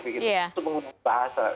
itu menggunakan bahasa